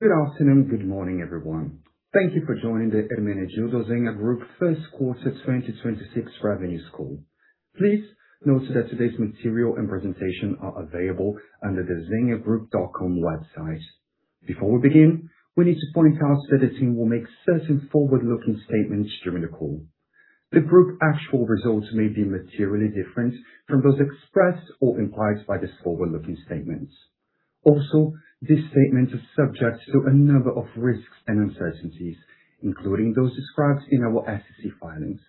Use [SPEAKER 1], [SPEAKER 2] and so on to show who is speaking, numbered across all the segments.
[SPEAKER 1] Good afternoon, good morning, everyone. Thank you for joining the Ermenegildo Zegna Group first quarter 2026 revenues call. Please note that today's material and presentation are available under the zegnagroup.com website. Before we begin, we need to point out that the team will make certain forward-looking statements during the call. The group actual results may be materially different from those expressed or implied by these forward-looking statements. Also, these statements are subject to a number of risks and uncertainties, including those described in our SEC filings.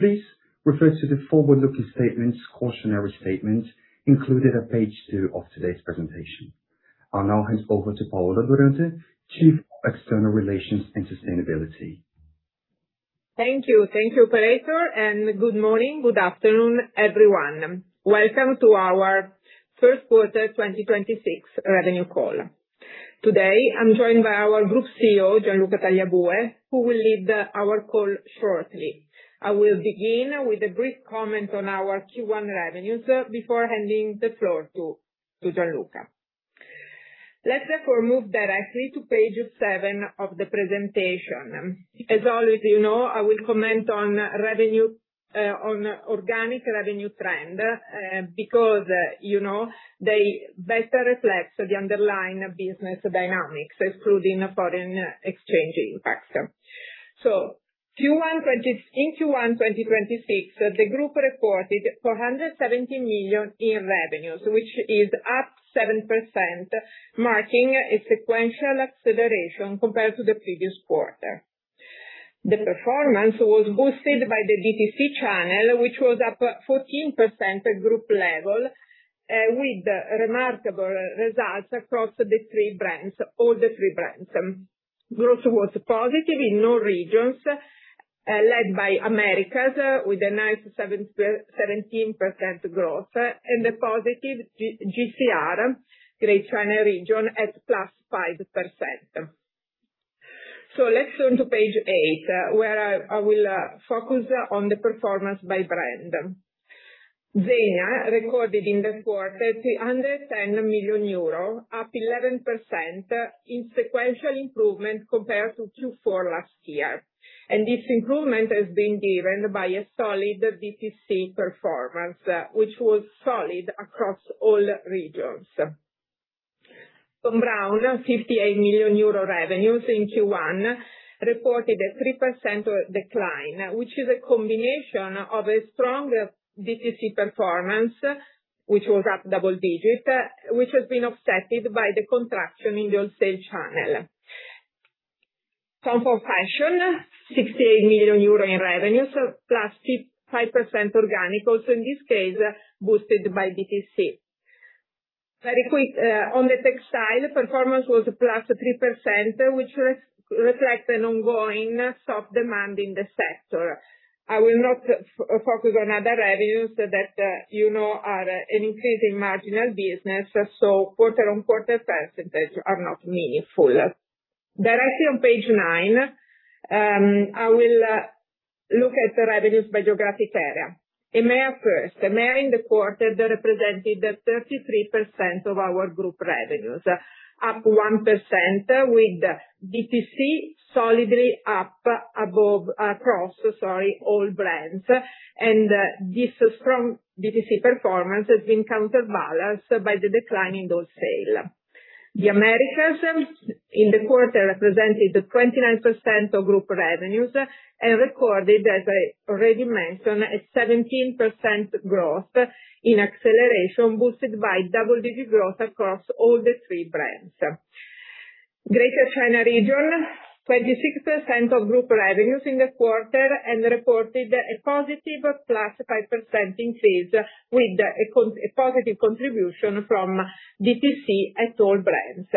[SPEAKER 1] Please refer to the Forward-looking statements cautionary statement included at page two of today's presentation. I'll now hand over to Paola Durante, Chief of External Relations and Sustainability.
[SPEAKER 2] Thank you. Thank you, operator, and good morning, good afternoon, everyone. Welcome to our first quarter 2026 revenue call. Today, I'm joined by our Group CEO, Gianluca Tagliabue, who will lead our call shortly. I will begin with a brief comment on our Q1 revenues before handing the floor to Gianluca. Let's therefore move directly to page seven of the presentation. As always, you know, I will comment on organic revenue trend, because, you know, they better reflect the underlying business dynamics, excluding foreign exchange impacts. Q1 2026, the group reported 470 million in revenues, which is up 7%, marking a sequential acceleration compared to the previous quarter. The performance was boosted by the DTC channel, which was up 14% at group level, with remarkable results across all the three brands. Growth was positive in all regions, led by Americas with a nice 17% growth and a positive GCR, Greater China Region, at +5%. Let's turn to page eight, where I will focus on the performance by brand. Zegna recorded in the quarter 310 million euro, up 11% in sequential improvement compared to Q4 last year. This improvement has been driven by a solid DTC performance, which was solid across all regions. Thom Browne, 58 million euro revenues in Q1, reported a 3% decline, which is a combination of a strong DTC performance, which was up double digits, which has been offset by the contraction in the wholesale TOM FORD FASHION, eur 68 million in revenues, +5% organic, also in this case, boosted by DTC. Very quick, on the textile, performance was +3%, which reflects an ongoing soft demand in the sector. I will not focus on other revenues that, you know, are an increasing marginal business, so quarter-on-quarter percentage are not meaningful. Directly on page nine, I will look at the revenues by geographic area. EMEA first. EMEA in the quarter represented 33% of our group revenues, up 1% with DTC solidly up across, sorry, all brands. This strong DTC performance has been counterbalanced by the decline in those sales. The Americas in the quarter represented 29% of group revenues and recorded, as I already mentioned, a 17% growth in acceleration, boosted by double-digit growth across all the three brands. Greater China region, 26% of group revenues in the quarter and reported a +5% increase with a positive contribution from DTC at all brands.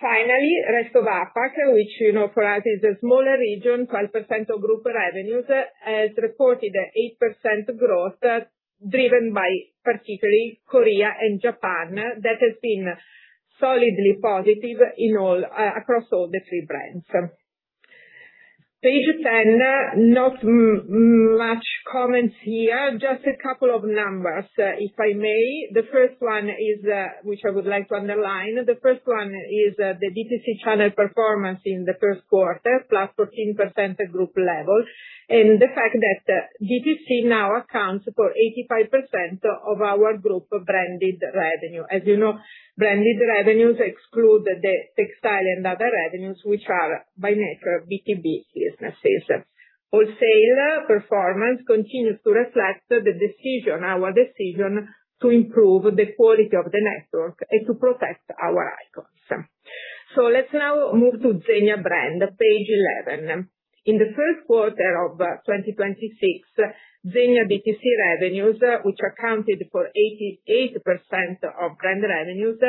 [SPEAKER 2] Finally, rest of APAC, which you know for us is a smaller region, 12% of group revenues, has reported 8% growth, driven by particularly Korea and Japan. That has been solidly positive across all the three brands. Page 10, not much comments here, just a couple of numbers, if I may. The first one is, which I would like to underline, the DTC channel performance in the first quarter, +14% at group level. The fact that DTC now accounts for 85% of our group branded revenue. As you know, branded revenues exclude the textile and other revenues, which are by nature B2B businesses. Wholesaler performance continues to reflect the decision, our decision to improve the quality of the network and to protect our icons. Let's now move to Zegna brand, page 11. In the first quarter of 2026, Zegna DTC revenues, which accounted for 88% of brand revenues,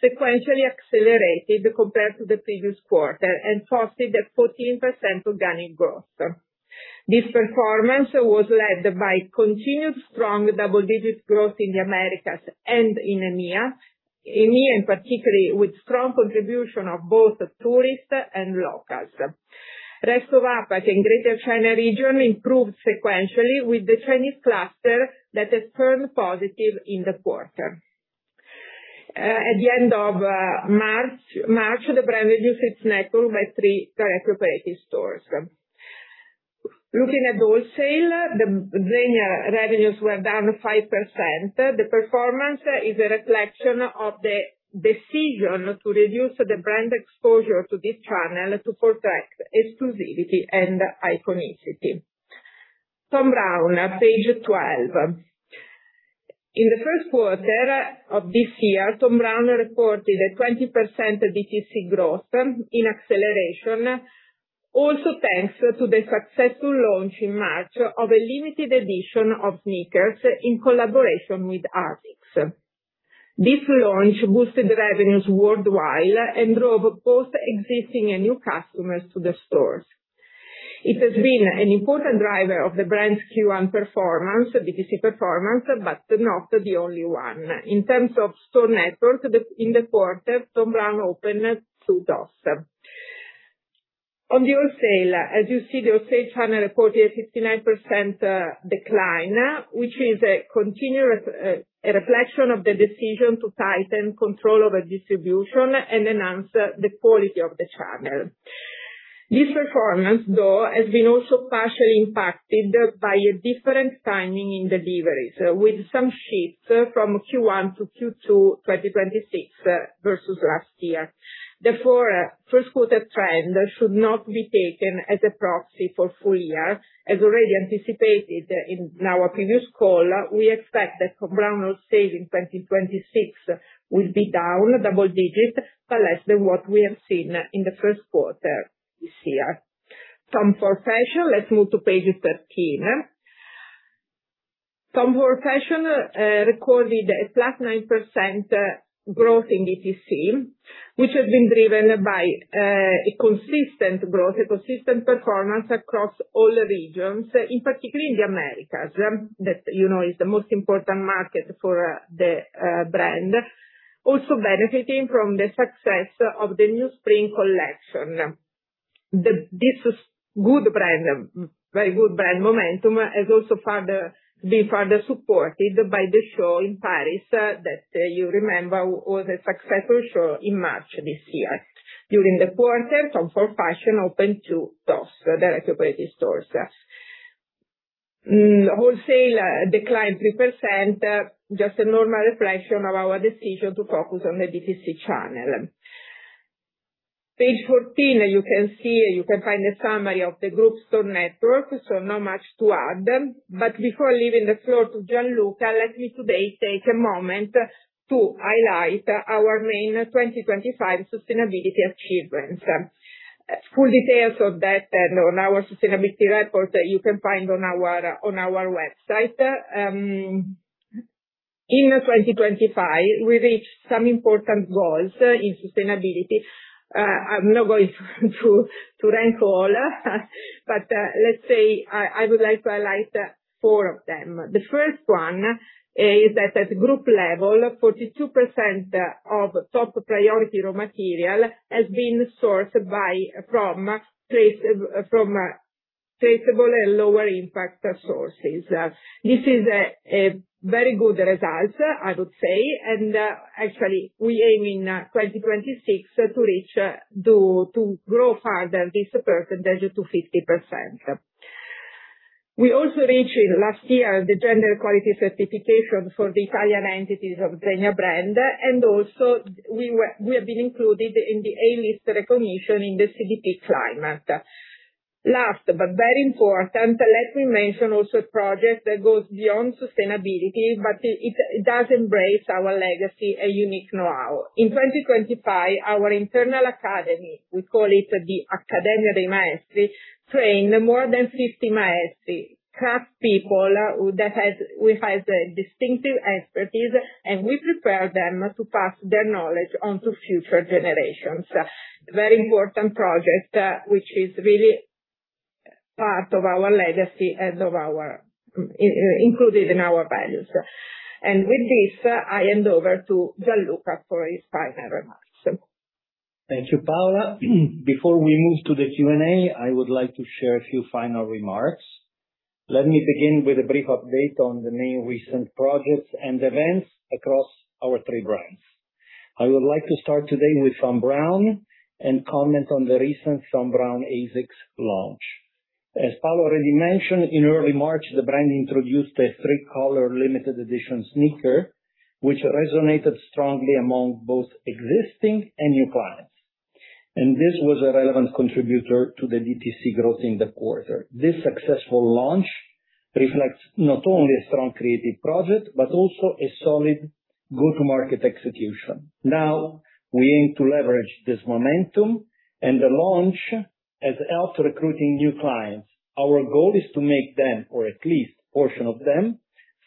[SPEAKER 2] sequentially accelerated compared to the previous quarter and fostered a 14% organic growth. This performance was led by continued strong double-digit growth in the Americas and in EMEA. EMEA in particular, with strong contribution of both tourists and locals. Rest of APAC and Greater China region improved sequentially with the Chinese cluster that has turned positive in the quarter. At the end of March, the brand reduced its network by three direct operating stores. Looking at wholesale, the Zegna revenues were down 5%. The performance is a reflection of the decision to reduce the brand exposure to this channel to protect exclusivity and iconicity. Thom Browne at page 12. In the first quarter of this year, Thom Browne reported a 20% DTC growth in acceleration, also thanks to the successful launch in March of a limited edition of sneakers in collaboration with ASICS. This launch boosted revenues worldwide and drove both existing and new customers to the stores. It has been an important driver of the brand's Q1 performance, DTC performance, but not the only one. In terms of store network, in the quarter, Thom Browne opened two DOS. On the wholesale, as you see, the wholesale channel reported a 59% decline, which is a continuous reflection of the decision to tighten control over distribution and enhance the quality of the channel. This performance, though, has been also partially impacted by a different timing in deliveries, with some shifts from Q1 to Q2 2026 versus last year. First quarter trend should not be taken as a proxy for full year. As already anticipated in our previous call, we expect that Thom Browne wholesale in 2026 will be down double digit, but less than what we have seen in the first quarter this year. TOM FORD FASHION, let's move to page TOM FORD FASHION recorded a flat 9% growth in DTC, which has been driven by a consistent growth, a consistent performance across all regions, in particular in the Americas, that, you know, is the most important market for the brand, also benefiting from the success of the new spring collection. This good brand, very good brand momentum has also been further supported by the show in Paris that you remember was a successful show in March this year. During the TOM FORD FASHION opened two DOS, the directly operated stores. Wholesale declined 3%, just a normal reflection of our decision to focus on the DTC channel. Page 14, you can find a summary of the group store network, not much to add. Before leaving the floor to Gianluca, let me today take a moment to highlight our main 2025 sustainability achievements. Full details of that and on our sustainability report you can find on our website. In 2025, we reached some important goals in sustainability. I'm not going to rank all, but let's say I would like to highlight four of them. The first one is that at group level, 42% of top priority raw material has been sourced from traceable and lower impact sources. This is a very good result, I would say. Actually, we aim in 2026 to reach to grow further this percentage to 50%. We also reached last year the gender equality certification for the Italian entities of Zegna brand, and also we have been included in the A-list recognition in the CDP climate. Last, but very important, let me mention also a project that goes beyond sustainability, but it does embrace our legacy a unique know-how. In 2025, our internal academy, we call it the Accademia dei Maestri, trained more than 50 Maestri, craftspeople, which has a distinctive expertise, and we prepare them to pass their knowledge on to future generations. A very important project, which is really part of our legacy and of our, included in our values. With this, I hand over to Gianluca for his final remarks.
[SPEAKER 3] Thank you, Paola. Before we move to the Q&A, I would like to share a few final remarks. Let me begin with a brief update on the main recent projects and events across our three brands. I would like to start today with Thom Browne and comment on the recent Thom Browne ASICS launch. As Paola already mentioned, in early March, the brand introduced a three-color limited edition sneaker, which resonated strongly among both existing and new clients. This was a relevant contributor to the DTC growth in the quarter. This successful launch reflects not only a strong creative project, but also a solid go-to-market execution. Now, we aim to leverage this momentum and the launch as else recruiting new clients. Our goal is to make them, or at least a portion of them,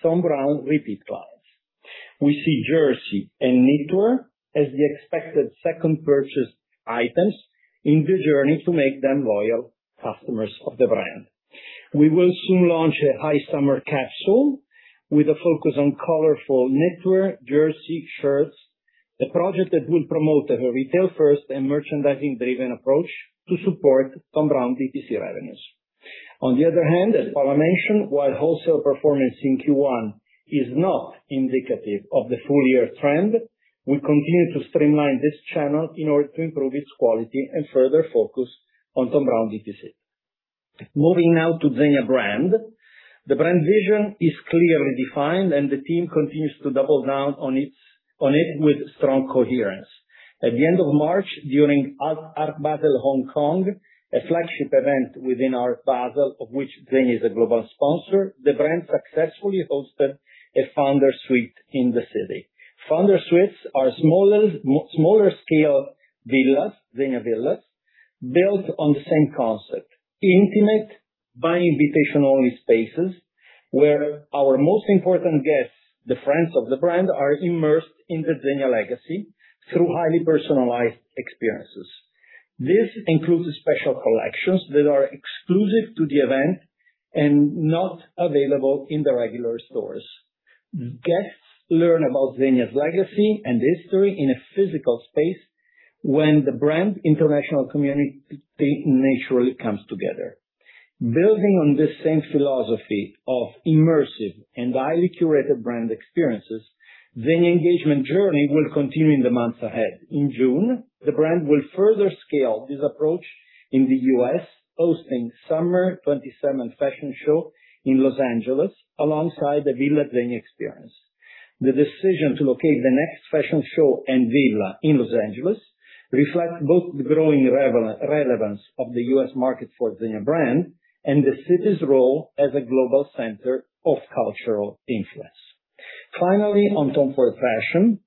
[SPEAKER 3] Thom Browne repeat clients. We see jersey and knitwear as the expected second purchase items in the journey to make them loyal customers of the brand. We will soon launch a high summer capsule with a focus on colorful knitwear, jersey shirts, a project that will promote a retail first and merchandising-driven approach to support Thom Browne DTC revenues. On the other hand, as Paola mentioned, while wholesale performance in Q1 is not indicative of the full year trend, we continue to streamline this channel in order to improve its quality and further focus on Thom Browne DTC. Moving now to Zegna brand. The brand vision is clearly defined, and the team continues to double down on it with strong coherence. At the end of March, during Art Basel Hong Kong, a flagship event within Art Basel, of which Zegna is a global sponsor, the brand successfully hosted a Foundersuite in the city. Foundersuite are smaller scale villas, Zegna Villas, built on the same concept: intimate, by invitation only spaces, where our most important guests, the Friends of the Brand, are immersed in the Zegna legacy through highly personalized experiences. This includes special collections that are exclusive to the event and not available in the regular stores. Guests learn about Zegna's legacy and history in a physical space when the brand international community naturally comes together. Building on this same philosophy of immersive and highly curated brand experiences, Zegna engagement journey will continue in the months ahead. In June, the brand will further scale this approach in the U.S., hosting Summer 2027 fashion show in Los Angeles alongside the Villa Zegna experience. The decision to locate the next fashion show and villa in Los Angeles reflect both the growing relevance of the U.S. market for Zegna brand and the city's role as a global center of cultural influence. TOM FORD FASHION,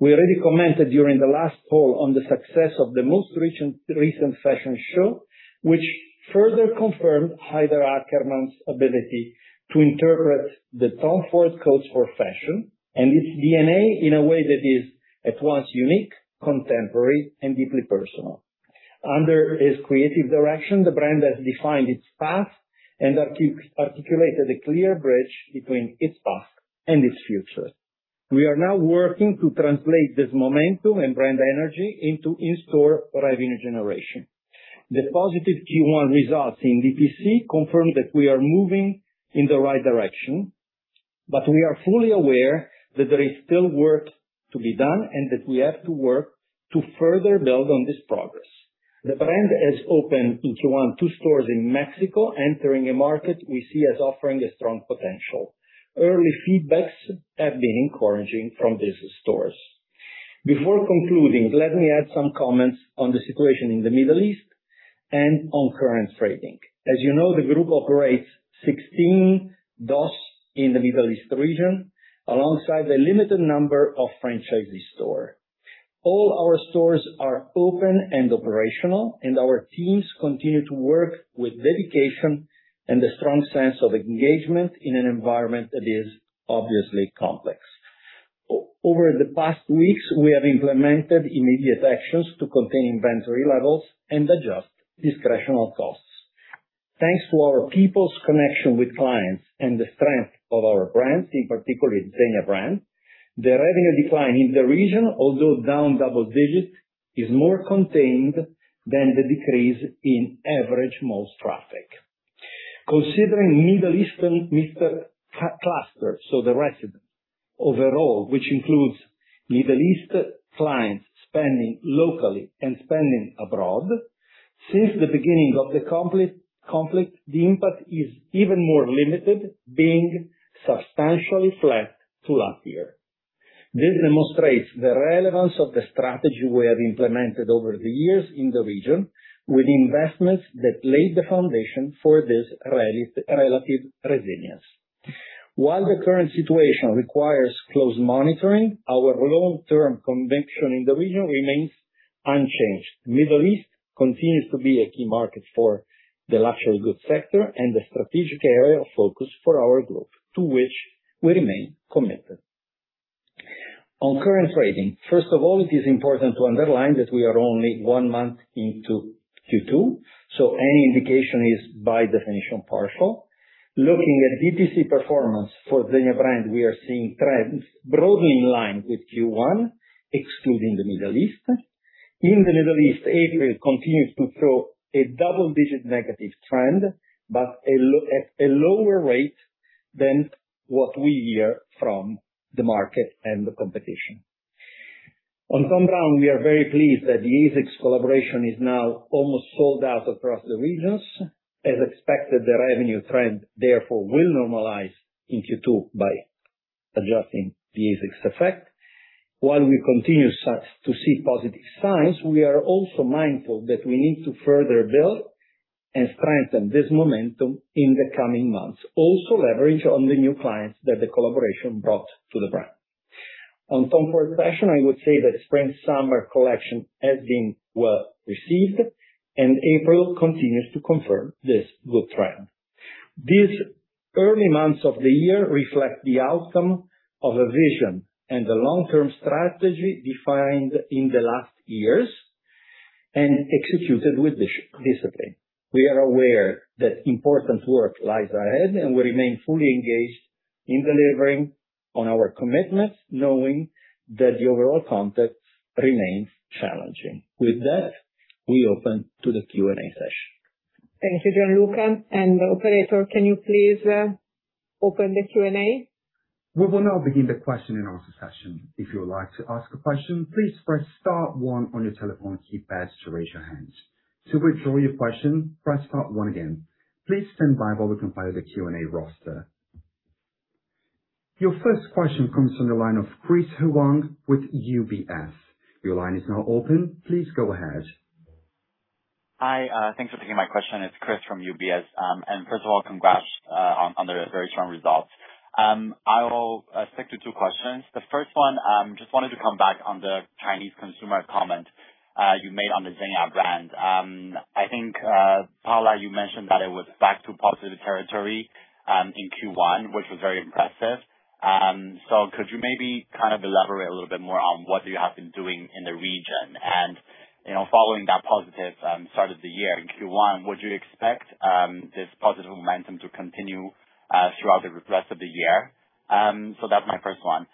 [SPEAKER 3] we already commented during the last call on the success of the most recent fashion show, which further confirmed Haider Ackermann's ability to interpret the TOM FORD codes for fashion and its DNA in a way that is at once unique, contemporary, and deeply personal. Under his creative direction, the brand has defined its path and articulated a clear bridge between its past and its future. We are now working to translate this momentum and brand energy into in-store revenue generation. The positive Q1 results in DTC confirm that we are moving in the right direction, but we are fully aware that there is still work to be done and that we have to work to further build on this progress. The brand has opened in Q1 two stores in Mexico, entering a market we see as offering a strong potential. Early feedbacks have been encouraging from these stores. Before concluding, let me add some comments on the situation in the Middle East and on current trading. As you know, the group operates 16 DOS in the Middle East region, alongside a limited number of franchisee store. All our stores are open and operational, and our teams continue to work with dedication and a strong sense of engagement in an environment that is obviously complex. Over the past weeks, we have implemented immediate actions to contain inventory levels and adjust discretionary costs. Thanks to our people's connection with clients and the strength of our brands, in particular Zegna brand, the revenue decline in the region, although down double-digit, is more contained than the decrease in average mall's traffic. Considering Middle Eastern cluster, so the resident overall, which includes Middle East clients spending locally and spending abroad, since the beginning of the conflict, the impact is even more limited, being substantially flat to last year. This demonstrates the relevance of the strategy we have implemented over the years in the region with investments that laid the foundation for this relative resilience. While the current situation requires close monitoring, our long-term conviction in the region remains unchanged. Middle East continues to be a key market for the luxury goods sector and a strategic area of focus for our growth, to which we remain committed. On current trading, first of all, it is important to underline that we are only one month into Q2, so any indication is by definition partial. Looking at DTC performance for Zegna brand, we are seeing trends broadly in line with Q1, excluding the Middle East. In the Middle East, April continues to show a double-digit negative trend, but at a lower rate than what we hear from the market and the competition. On Thom Browne, we are very pleased that the ASICS collaboration is now almost sold out across the regions. As expected, the revenue trend therefore will normalize in Q2 by adjusting the ASICS effect. While we continue to see positive signs, we are also mindful that we need to further build and strengthen this momentum in the coming months, also leverage on the new clients that the collaboration brought to the brand. TOM FORD FASHION, i would say the spring/summer collection has been well received. April continues to confirm this good trend. These early months of the year reflect the outcome of a vision and the long-term strategy defined in the last years. Executed with discipline. We are aware that important work lies ahead, and we remain fully engaged in delivering on our commitments, knowing that the overall context remains challenging. With that, we open to the Q&A session.
[SPEAKER 2] Thank you, Gianluca. Operator, can you please open the Q&A?
[SPEAKER 1] We will now begin the question and answer session. If you would like to ask a question, please press star one on your telephone keypad to raise your hand. To withdraw your question, press star one again. Please stand by while we compile the Q&A roster. Your first question comes from the line of Chris Huang with UBS. Your line is now open. Please go ahead.
[SPEAKER 4] Hi, thanks for taking my question. It's Chris from UBS. First of all, congrats on the very strong results. I will stick to two questions. The first one, just wanted to come back on the Chinese consumer comment you made on the Zegna brand. I think Paola, you mentioned that it was back to positive territory in Q1, which was very impressive. Could you maybe kind of elaborate a little bit more on what you have been doing in the region? And, you know, following that positive start of the year in Q1, would you expect this positive momentum to continue throughout the rest of the year? That's my first one.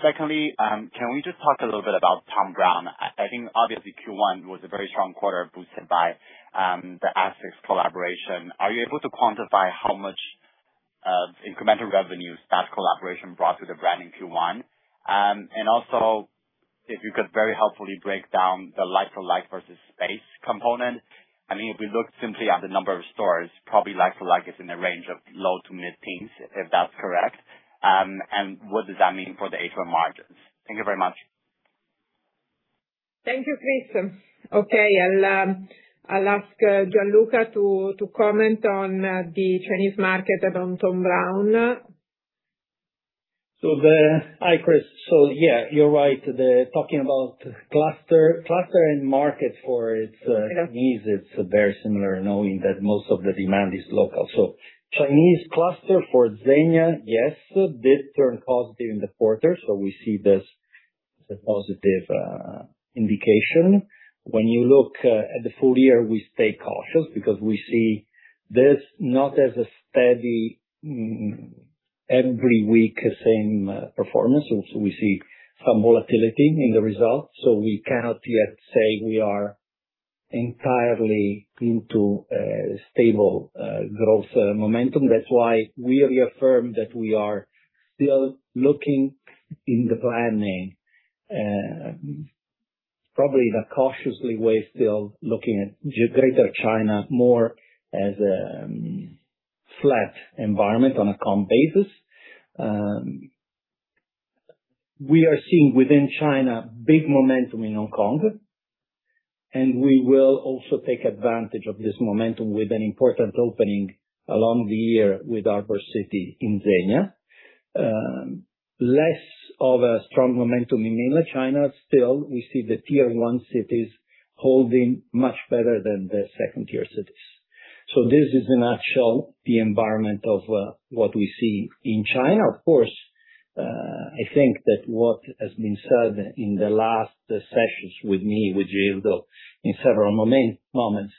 [SPEAKER 4] Secondly, can we just talk a little bit about Thom Browne? I think obviously Q1 was a very strong quarter boosted by the ASICS collaboration. Are you able to quantify how much incremental revenues that collaboration brought to the brand in Q1? Also, if you could very helpfully break down the like-for-like versus space component. I mean, if we look simply at the number of stores, probably like-for-like is in the range of low to mid-teens, if that's correct. What does that mean for the H1 margins? Thank you very much.
[SPEAKER 2] Thank you, Chris. Okay, I'll ask Gianluca to comment on the Chinese market around Thom Browne.
[SPEAKER 3] Hi, Chris. Yeah, you're right. Talking about cluster and market for its.
[SPEAKER 4] Yeah.
[SPEAKER 3] Chinese, it's very similar knowing that most of the demand is local. Chinese cluster for Zegna, yes, did turn positive in the quarter, so we see this as a positive indication. When you look at the full year, we stay cautious because we see this not as a steady, every week same performance. We see some volatility in the results, so we cannot yet say we are entirely into a stable growth momentum. That's why we reaffirmed that we are still looking in the planning, probably in a cautiously way, still looking at Greater China more as a flat environment on a comp basis. We are seeing within China big momentum in Hong Kong. We will also take advantage of this momentum with an important opening along the year with Harbour City in Zegna. Less of a strong momentum in mainland China. Still we see the Tier 1 cities holding much better than the Tier 2 cities. This is in actual the environment of what we see in China. Of course, I think that what has been said in the last sessions with me, with Gildo, in several moments,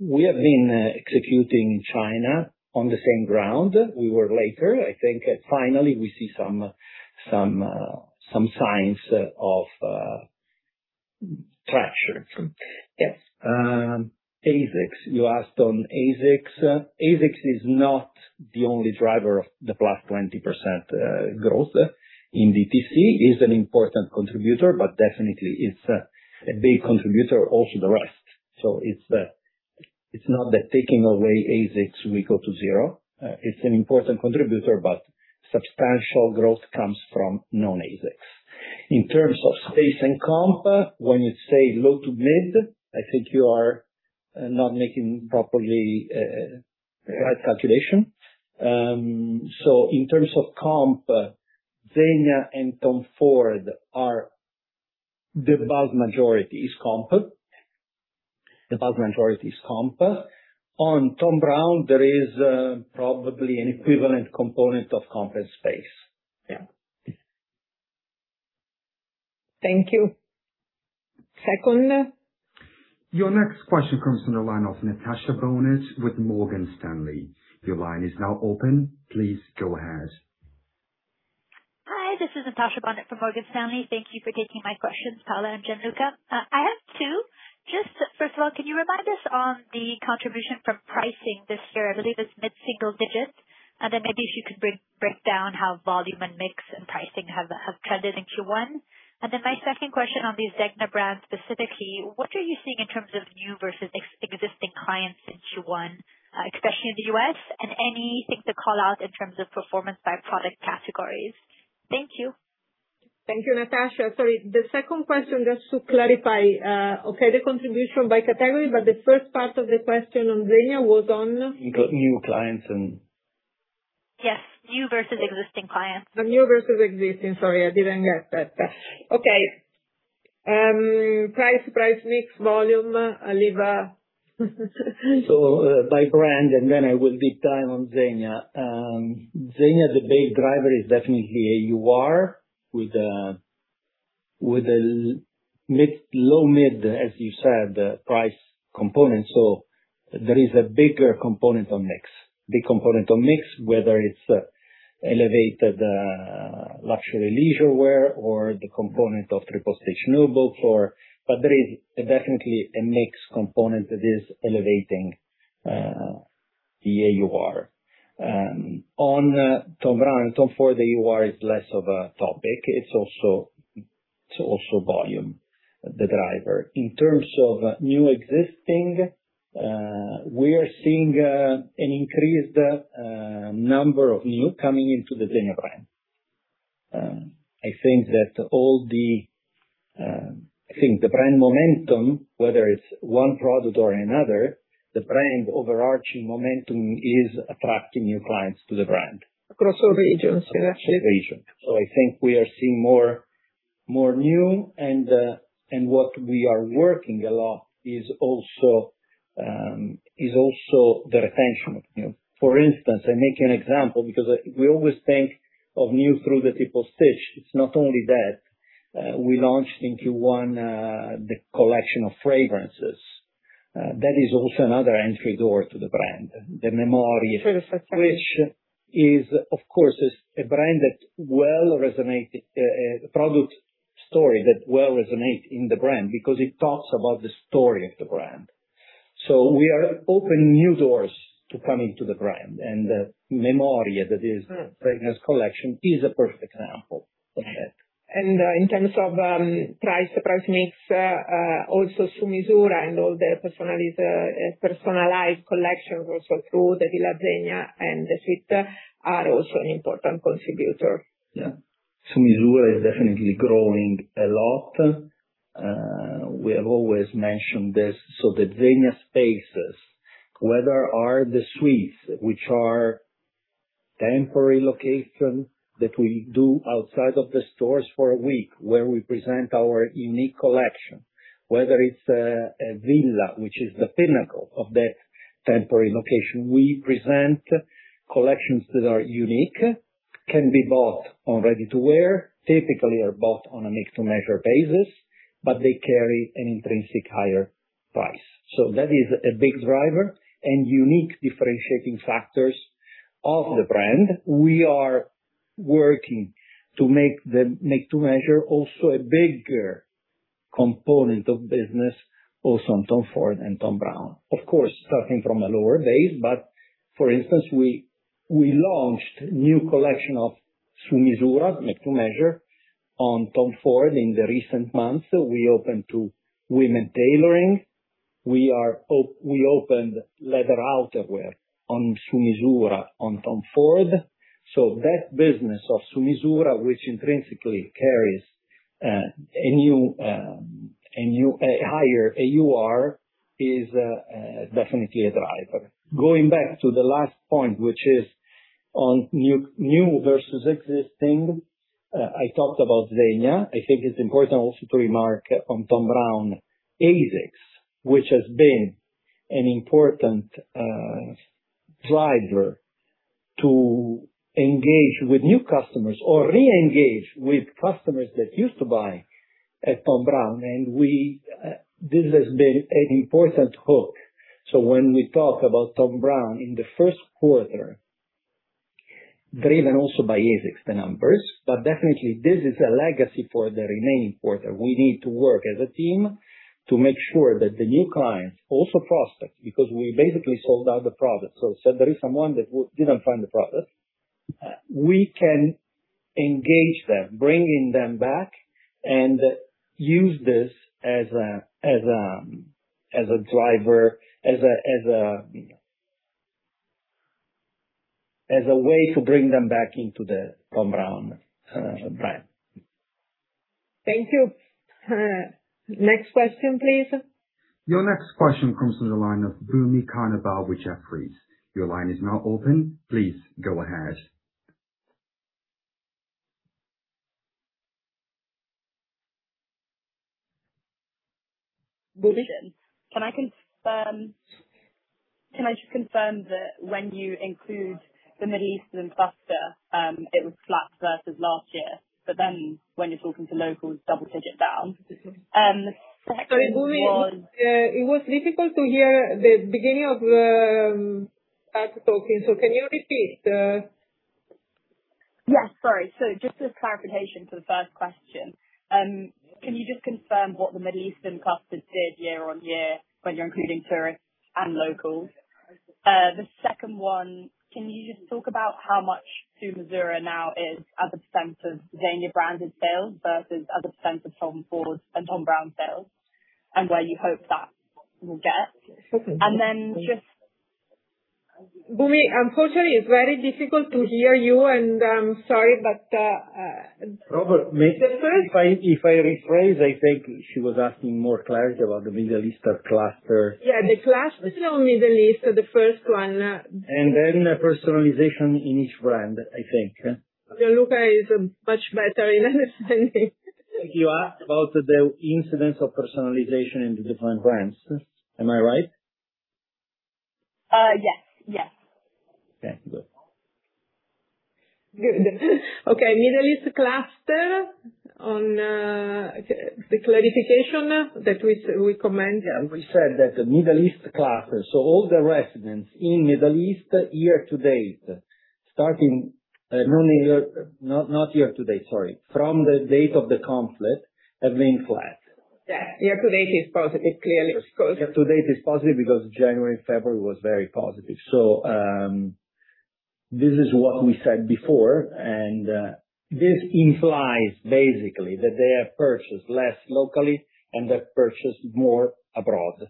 [SPEAKER 3] we have been executing China on the same ground. We were later. I think finally we see some signs of traction. Yes, ASICS. You asked on ASICS. ASICS is not the only driver of the +20% growth in DTC. It's an important contributor, but definitely it's a big contributor also the rest. It's not that taking away ASICS we go to zero. It's an important contributor, but substantial growth comes from non-ASICS. In terms of space and comp, when you say low to mid, I think you are not making properly right calculation. In terms of comp, Zegna and TOM FORD are the vast majority is comp. The vast majority is comp. On Thom Browne, there is probably an equivalent component of comp and space. Yeah.
[SPEAKER 2] Thank you. Second.
[SPEAKER 1] Your next question comes from the line of Natasha Banoori with Morgan Stanley. Your line is now open. Please go ahead.
[SPEAKER 5] Hi, this is Natasha Banoori from Morgan Stanley. Thank you for taking my questions, Paola and Gianluca. I have two. Just first of all, can you remind us on the contribution from pricing this year? I believe it's mid-single digits. Then maybe if you could break down how volume and mix and pricing have trended in Q1. Then my second question on the Zegna brand specifically, what are you seeing in terms of new versus existing clients in Q1, especially in the U.S., and anything to call out in terms of performance by product categories? Thank you.
[SPEAKER 2] Thank you, Natasha. Sorry, the second question, just to clarify, okay, the contribution by category, but the first part of the question on Zegna was on?
[SPEAKER 3] New clients and.
[SPEAKER 5] Yes, new versus existing clients.
[SPEAKER 2] New versus existing. Sorry, I didn't get that. Okay.
[SPEAKER 3] By brand, and then I will deep dive on Zegna. Zegna, the big driver is definitely AUR with a, with a mid, low mid, as you said, price component. There is a bigger component of mix, big component of mix, whether it's elevated luxury leisure wear or the component of Triple Stitch noble floor. There is definitely a mix component that is elevating the AUR. On Thom Browne and TOM FORD, the AUR is less of a topic. It's also volume, the driver. In terms of new existing, we are seeing an increased number of new coming into the Zegna brand. I think the brand momentum, whether it's one product or another, the brand overarching momentum is attracting new clients to the brand.
[SPEAKER 2] Across all regions, yeah?
[SPEAKER 3] Regions. I think we are seeing more new and what we are working a lot is also the retention of new. For instance, I make you an example because we always think of new through the Triple Stitch. It's not only that. We launched in Q1 the collection of fragrances. That is also another entry door to the brand, the Memorie.
[SPEAKER 2] For the first time.
[SPEAKER 3] Which is of course, is a brand that well resonated, product story that well resonate in the brand because it talks about the story of the brand. We are opening new DOERS to come into the brand and Memorie, that is fragrance collection, is a perfect example of that.
[SPEAKER 2] In terms of price, the price mix, also Su Misura and all the personalized collection also through the Villa Zegna and the suite are also an important contributor.
[SPEAKER 3] Yeah. Su Misura is definitely growing a lot. We have always mentioned this, the Zegna spaces, whether are the suites which are temporary location that we do outside of the stores for a week, where we present our unique collection, whether it's a villa, which is the pinnacle of that temporary location. We present collections that are unique, can be bought on ready-to-wear, typically are bought on a make to measure basis, but they carry an intrinsic higher price. That is a big driver and unique differentiating factors of the brand. We are working to make the make to measure also a bigger component of business also on TOM FORD and Thom Browne. Of course, starting from a lower base, but for instance, we launched new collection of Su Misura make to measure on TOM FORD in the recent months. We opened to women tailoring. We opened leather outerwear on Su Misura, on TOM FORD. That business of Su Misura, which intrinsically carries a new higher AUR, is definitely a driver. Going back to the last point, which is on new versus existing, I talked about Zegna. I think it's important also to remark on Thom Browne, ASICS, which has been an important driver to engage with new customers or re-engage with customers that used to buy at Thom Browne. We, this has been an important hook. When we talk about Thom Browne in the first quarter, driven also by ASICS, the numbers, but definitely this is a legacy for the remaining quarter. We need to work as a team to make sure that the new clients also prospect, because we basically sold out the product. Say there is someone that didn't find the product, we can engage them, bringing them back and use this as a driver, as a way to bring them back into the Thom Browne brand.
[SPEAKER 2] Thank you. Next question, please.
[SPEAKER 1] Your next question comes from the line of Bhumi Kanabar, Jefferies. Your line is now open. Please go ahead.
[SPEAKER 6] Bhumi. Can I just confirm that when you include the Middle Eastern cluster, it was flat versus last year, but then when you're talking to locals, double-digit down?
[SPEAKER 2] Sorry, Bhumi, it was difficult to hear the beginning of us talking. Can you repeat?
[SPEAKER 6] Yes. Sorry. Just a clarification for the first question. Can you just confirm what the Middle Eastern cluster did year-on-year when you're including tourists and locals? The second one, can you just talk about how much Su Misura now is as a percentage of Zegna branded sales versus as a percentage of TOM FORD and Thom Browne sales, and where you hope that will get?
[SPEAKER 2] Bhumi, unfortunately, it's very difficult to hear you, and I'm sorry, but.
[SPEAKER 3] Robert,
[SPEAKER 2] The first-
[SPEAKER 3] If I rephrase, I think she was asking more clarity about the Middle East cluster.
[SPEAKER 2] Yeah, the cluster, not Middle East, the first one.
[SPEAKER 3] Personalization in each brand, I think.
[SPEAKER 2] Gianluca is much better in understanding.
[SPEAKER 3] You asked about the incidence of personalization in the different brands. Am I right?
[SPEAKER 6] Yes. Yes.
[SPEAKER 3] Yeah. Good.
[SPEAKER 2] Good. Okay, Middle East cluster on the clarification that we commend.
[SPEAKER 3] Yeah, we said that the Middle East cluster, so all the residents in Middle East year to date, Not year to date, sorry, from the date of the conflict have been flat.
[SPEAKER 2] Yeah. Year to date is positive. Clearly it was positive.
[SPEAKER 3] Year to date is positive because January, February was very positive. This is what we said before, and this implies basically that they have purchased less locally and they've purchased more abroad.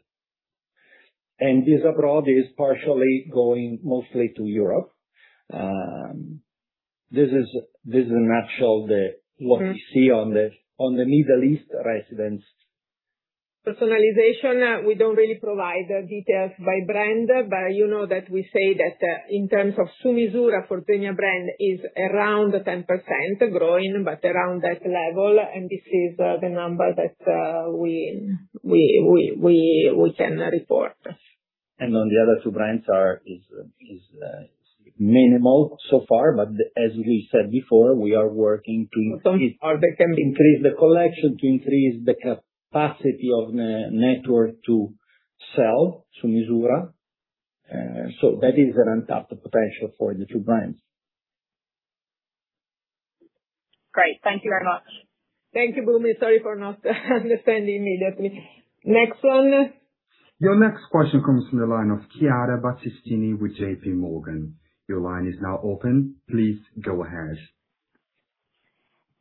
[SPEAKER 3] This abroad is partially going mostly to Europe.
[SPEAKER 2] Mm-hmm.
[SPEAKER 3] What we see on the Middle East residents.
[SPEAKER 2] Personalization, we don't really provide the details by brand, but you know that we say that, in terms of Su Misura, for Zegna brand is around 10% growing, but around that level, and this is, the number that, we can report.
[SPEAKER 3] On the other two brands is minimal so far, but as we said before, we are working. Are they can increase the collection to increase the capacity of the network to sell Su Misura? That is an untapped potential for the two brands.
[SPEAKER 6] Great. Thank you very much.
[SPEAKER 2] Thank you, Bhumi. Sorry for not understanding immediately. Next one.
[SPEAKER 1] Your next question comes from the line of Chiara Battistini with JPMorgan. Your line is now open. Please go ahead.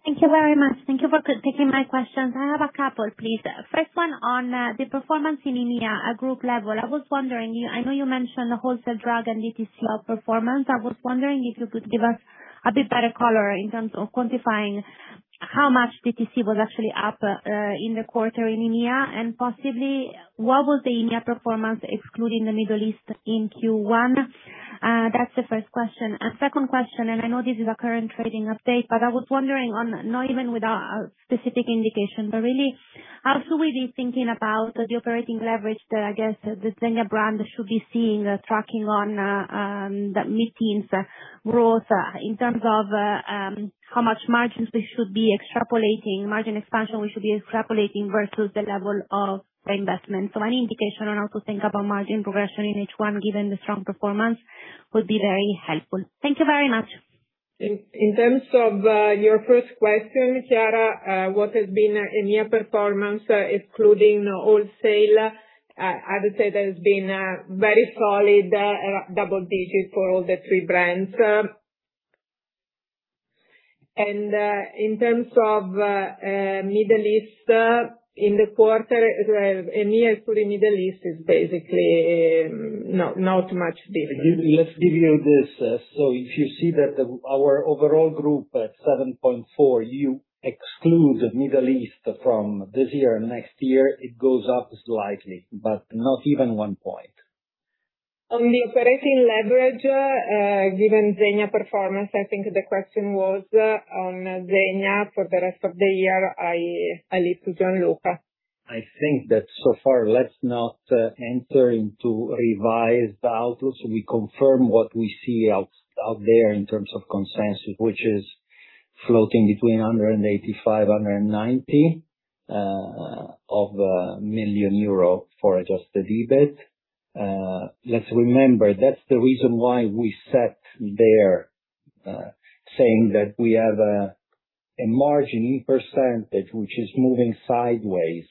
[SPEAKER 7] Thank you very much. Thank you for taking my questions. I have a couple, please. First one on the performance in EMEA at group level. I was wondering, I know you mentioned wholesale drug and DTC outperformance. I was wondering if you could give us a bit better color in terms of quantifying how much DTC was actually up in the quarter in EMEA, and possibly what was the EMEA performance excluding the Middle East in Q1? That's the first question. Second question, and I know this is a current trading update, but I was wondering on not even with a specific indication, but really how should we be thinking about the operating leverage that I guess the Zegna brand should be seeing tracking on the mid-teens growth in terms of how much margins we should be extrapolating, margin expansion we should be extrapolating versus the level of the investment. Any indication on how to think about margin progression in H1 given the strong performance would be very helpful. Thank you very much.
[SPEAKER 2] In terms of your first question, Chiara, what has been EMEA performance including wholesale, I would say that has been very solid, double digits for all the three brands. In terms of Middle East in the quarter, EMEA excluding Middle East is basically not much different.
[SPEAKER 3] Let's give you this. If you see that our overall group at 7.4%, you exclude Middle East from this year, next year, it goes up slightly, but not even one point.
[SPEAKER 2] On the operating leverage, given Zegna performance, I think the question was on Zegna for the rest of the year. I leave to Gianluca.
[SPEAKER 3] I think that so far let's not enter into revised outlook. We confirm what we see out there in terms of consensus, which is floating between 185 million-190 million euro for adjusted EBIT. Let's remember, that's the reason why we sat there saying that we have a margin in percentage which is moving sideways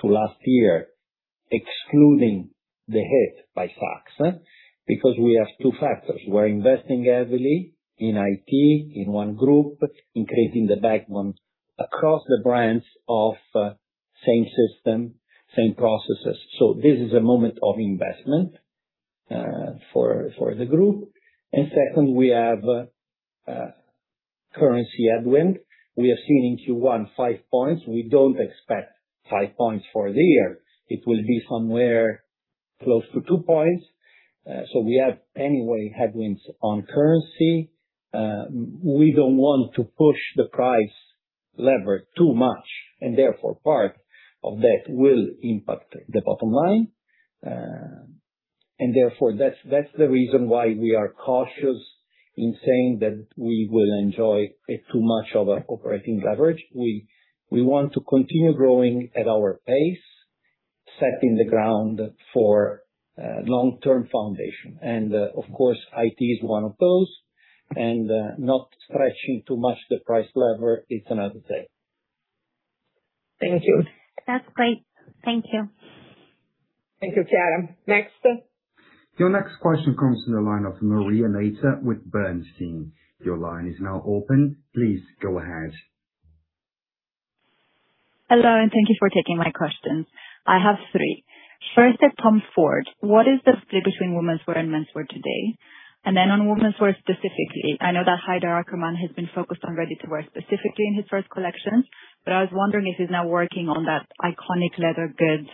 [SPEAKER 3] to last year, excluding the hit by tax, because we have two factors. We're investing heavily in IT, in one group, increasing the backbone across the brands of same system, same processes. This is a moment of investment for the group. Second, we have currency headwind. We have seen in Q1 5 points. We don't expect 5 points for the year. It will be somewhere close to 2 points. We have anyway headwinds on currency. We don't want to push the price lever too much, and therefore part of that will impact the bottom line. Therefore, that's the reason why we are cautious in saying that we will enjoy too much of a operating leverage. We want to continue growing at our pace, setting the ground for long-term foundation. Of course, IT is one of those. Not stretching too much the price lever is another thing.
[SPEAKER 2] Thank you.
[SPEAKER 7] That's great. Thank you.
[SPEAKER 2] Thank you, Chiara. Next.
[SPEAKER 1] Your next question comes from the line of Maria Meita with Bernstein. Your line is now open. Please go ahead.
[SPEAKER 8] Hello, and thank you for taking my questions. I have three. First, at TOM FORD, what is the split between womenswear and menswear today? On womenswear specifically, I know that Haider Ackermann has been focused on ready-to-wear specifically in his first collection, but I was wondering if he's now working on that iconic leather goods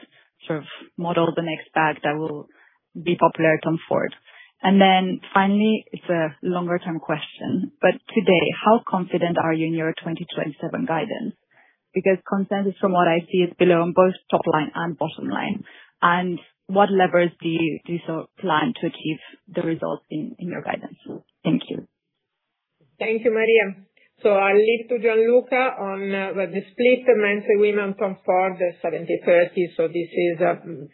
[SPEAKER 8] sort of model the next bag that will be popular at TOM FORD. Finally, it's a longer-term question, but today, how confident are you in your 2027 guidance? Because consensus from what I see is below on both top line and bottom line. What levers do you, do you so plan to achieve the results in your guidance? Thank you.
[SPEAKER 2] Thank you, Maria. I'll leave to Gianluca on the split men to women, TOM FORD, the 70/30. This is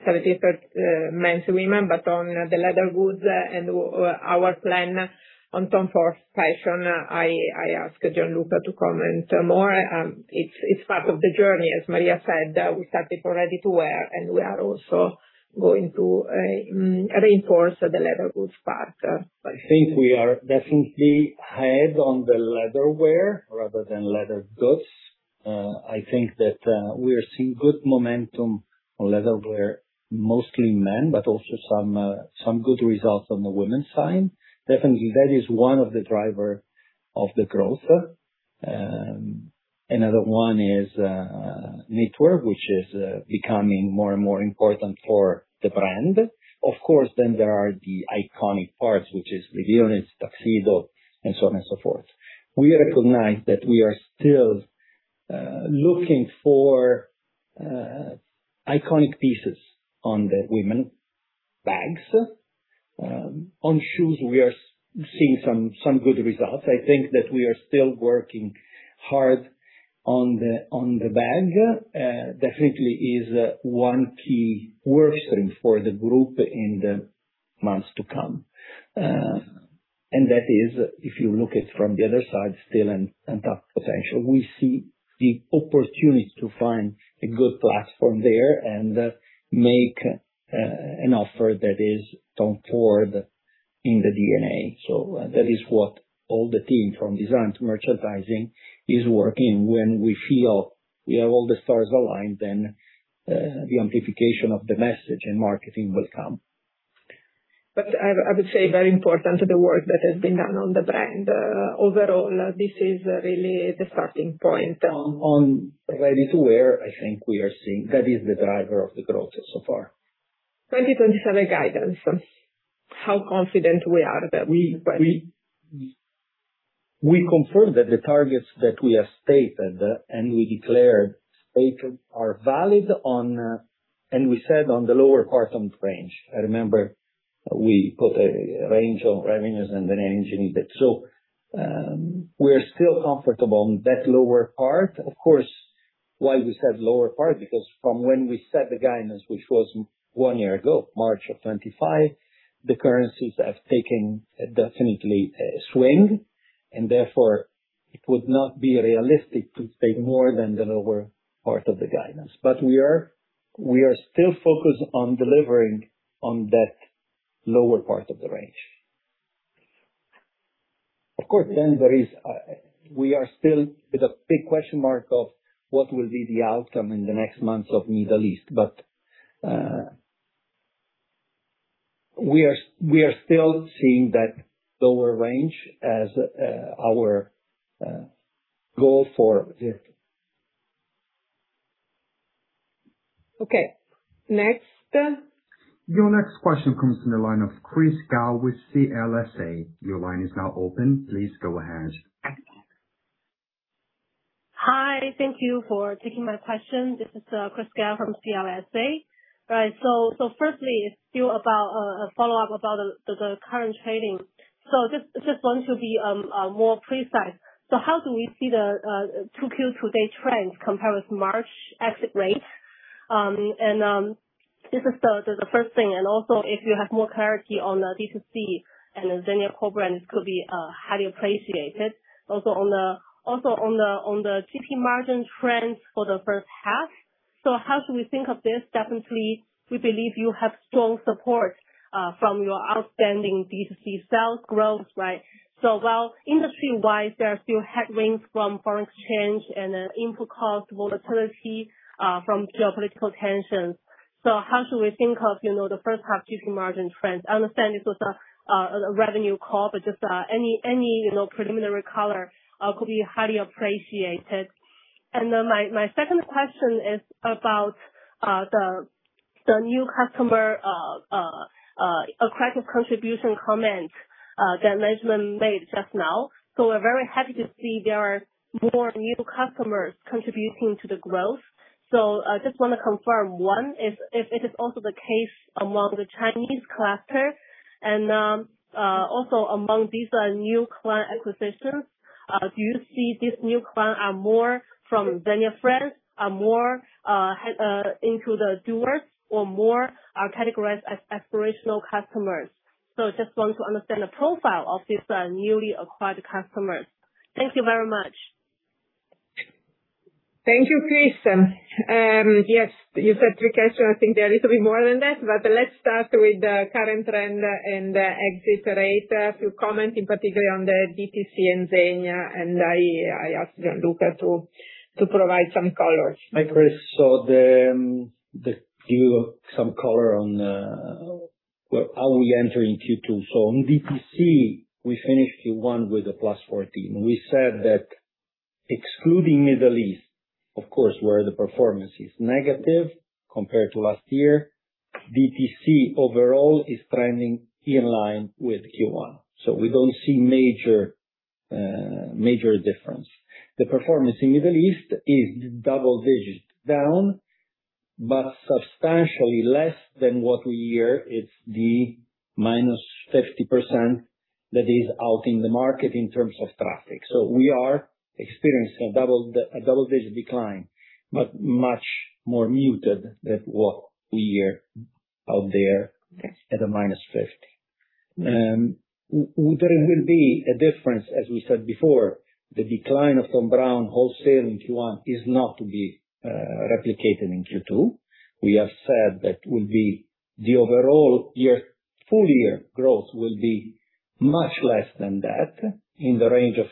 [SPEAKER 2] 70/30 men to women, but on the leather goods and our plan TOM FORD FASHION, I ask Gianluca to comment more. It's part of the journey, as Maria said, we started already to wear, and we are also going to reinforce the leather goods part.
[SPEAKER 3] I think we are definitely ahead on the leather wear rather than leather goods. I think that we are seeing good momentum on leather wear, mostly men, but also some good results on the women's side. Definitely, that is one of the driver of the growth. Another one is knitware, which is becoming more and more important for the brand. Of course, there are the iconic parts, which is the suits, tuxedo, and so on and so forth. We recognize that we are still looking for iconic pieces on the women bags. On shoes, we are seeing some good results. I think that we are still working hard on the bag. Definitely is one key work stream for the group in the months to come. That is if you look it from the other side, still an untapped potential. We see the opportunity to find a good platform there and make an offer that is TOM FORD in the DNA. That is what all the team from design to merchandising is working. When we feel we have all the stars aligned, then the amplification of the message and marketing will come.
[SPEAKER 2] I would say very important to the work that has been done on the brand. Overall, this is really the starting point.
[SPEAKER 3] On ready-to-wear, I think we are seeing that is the driver of the growth so far.
[SPEAKER 2] 2027 guidance, how confident we are that we
[SPEAKER 3] We confirm that the targets that we have stated and we declared stated are valid on. We said on the lower part of range. I remember we put a range of revenues and a margin. We're still comfortable on that lower part. Of course, why we said lower part, because from when we set the guidance, which was one year ago, March of 2025, the currencies have taken definitely a swing, and therefore it would not be realistic to state more than the lower part of the guidance. We are still focused on delivering on that lower part of the range. Of course, we are still with a big question mark of what will be the outcome in the next months of Middle East. We are still seeing that lower range as our goal for this.
[SPEAKER 2] Okay. Next.
[SPEAKER 1] Your next question comes from the line of Chris Gao with CLSA. Your line is now open. Please go ahead.
[SPEAKER 9] Hi. Thank you for taking my question. This is Chris Gao from CLSA. Right. Firstly, still about a follow-up about the current trading. Just want to be more precise. How do we see the 2Q to date trends compare with March exit rates? This is the first thing. Also if you have more clarity on the D2C and the Zegna core brands could be highly appreciated. Also on the GP margin trends for the first half. How should we think of this? Definitely, we believe you have strong support from your outstanding D2C sales growth, right? While industry-wise, there are still headwinds from foreign exchange and input cost volatility from geopolitical tensions. How should we think of, you know, the first half GP margin trends? I understand this was a revenue call, but just any, you know, preliminary color could be highly appreciated. My, my second question is about the new customer type of contribution comment that management made just now. We're very happy to see there are more new customers contributing to the growth. I just wanna confirm, one, if it is also the case among the Chinese cluster and also among these new client acquisitions, do you see these new clients are more from Zegna Friends, are more into the DOERS or more are categorized as aspirational customers? Just want to understand the profile of these newly acquired customers. Thank you very much.
[SPEAKER 2] Thank you, Chris. Yes. You said two questions. I think they're a little bit more than that, but let's start with the current trend and exit rate. To comment in particular on the DTC and Zegna, and I ask Gianluca to provide some colors.
[SPEAKER 3] Hi, Chris. Give some color on, well, how we enter in Q2. In DTC, we finished Q1 with a +14%. Excluding Middle East, of course, where the performance is negative compared to last year. DTC overall is trending in line with Q1. We don't see major difference. The performance in Middle East is double-digit down, but substantially less than what we hear. It's the -50% that is out in the market in terms of traffic. We are experiencing a double-digit decline, but much more muted than what we hear out there at a -50%. Well, there will be a difference, as we said before, the decline of Thom Browne wholesale in Q1 is not to be replicated in Q2. We have said that will be the overall year, full year growth will be much less than that, in the range of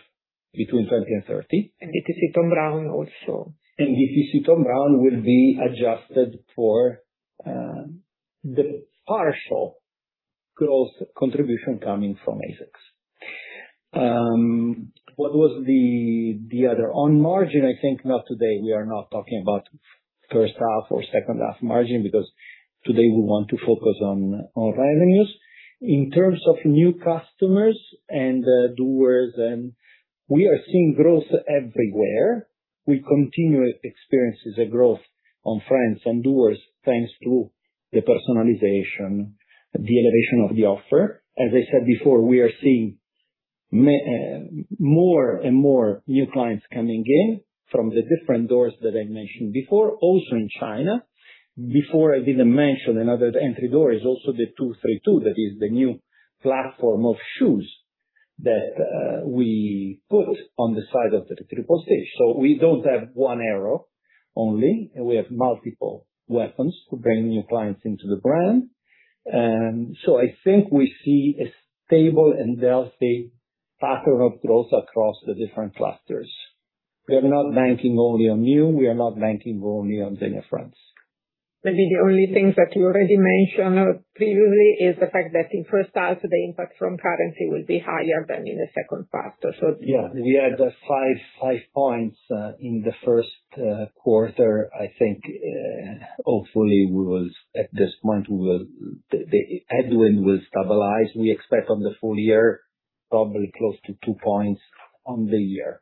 [SPEAKER 3] between 20% and 30%.
[SPEAKER 2] DTC Thom Browne also.
[SPEAKER 3] DTC Thom Browne will be adjusted for the partial growth contribution coming from ASICS. What was the other? On margin, I think not today, we are not talking about first half or second half margin because today we want to focus on revenues. In terms of new customers and DOERS. We are seeing growth everywhere. We continue experiences a growth on Friends, on DOERS, thanks to the personalization, the elevation of the offer. As I said before, we are seeing more and more new clients coming in from the different DOERS that I mentioned before. Also in China. Before, I didn't mention another entry door is also the two three two. That is the new platform of shoes that we put on the side of the Triple Stitch. We don't have one arrow only. We have multiple weapons to bring new clients into the brand. I think we see a stable and healthy pattern of growth across the different clusters. We are not banking only on new. We are not banking only on Zegna Friends.
[SPEAKER 2] Maybe the only things that you already mentioned previously is the fact that in first half, the impact from currency will be higher than in the second half.
[SPEAKER 3] Yeah. We had the 5 points in the first quarter. I think hopefully, the headwind will stabilize. We expect on the full year, probably close to 2 points on the year.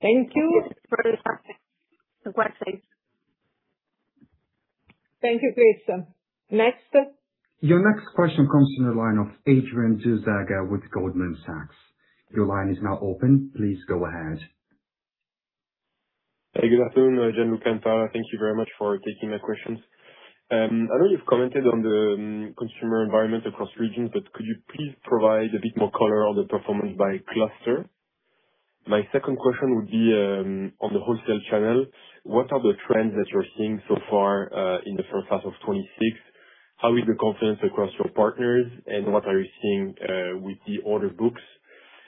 [SPEAKER 2] Thank you. Operators. Thank you. Please, next.
[SPEAKER 1] Your next question comes from the line of Adrien Duverger with Goldman Sachs. Your line is now open. Please go ahead.
[SPEAKER 10] Hey, good afternoon, Gianluca and Paola. Thank you very much for taking my questions. I know you've commented on the consumer environment across regions, but could you please provide a bit more color on the performance by cluster? My second question would be on the wholesale channel. What are the trends that you're seeing so far in the first half of 2026? How is the confidence across your partners, and what are you seeing with the order books?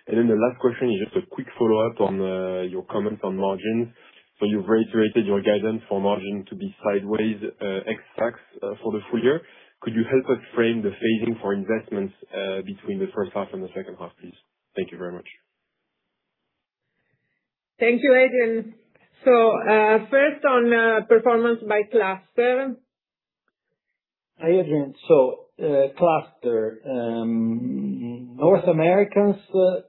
[SPEAKER 10] The last question is just a quick follow-up on your comments on margins. You've reiterated your guidance for margin to be sideways, ex tax, for the full year. Could you help us frame the phasing for investments between the first half and the second half, please? Thank you very much.
[SPEAKER 2] Thank you, Adrien. First on performance by cluster.
[SPEAKER 3] Hi, Adrien. Cluster. North Americans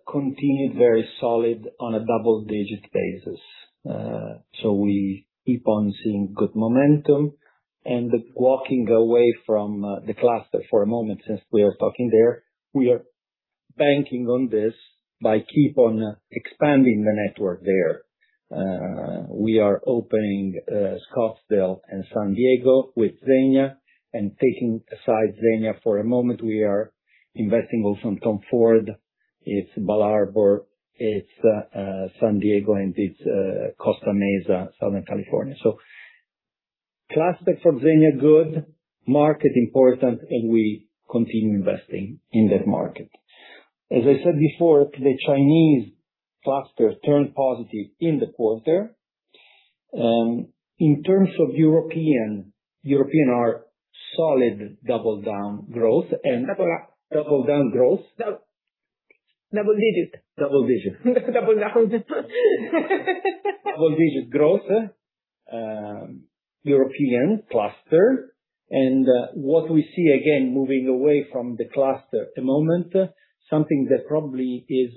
[SPEAKER 3] continued very solid on a double-digit basis. We keep on seeing good momentum. Walking away from the cluster for a moment since we are talking there, we are banking on this by keep on expanding the network there. We are opening Scottsdale and San Diego with Zegna. Taking aside Zegna for a moment, we are investing also in TOM FORD. It's Bal Harbour, it's San Diego, and it's Costa Mesa, Southern California. Cluster for Zegna, good. Market, important, we continue investing in that market. As I said before, the Chinese cluster turned positive in the quarter. In terms of European are solid, double down growth.
[SPEAKER 2] Double up.
[SPEAKER 3] Double down growth.
[SPEAKER 2] Double digit.
[SPEAKER 3] Double digit.
[SPEAKER 2] Double down.
[SPEAKER 3] Double-digit growth, European cluster. What we see, again, moving away from the cluster a moment, something that probably is